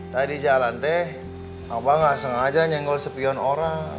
tadi jalan teh abang nggak sengaja nyenggol sepion orang